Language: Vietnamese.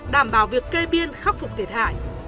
đảm bảo việc kê biên khắc phục thiệt hại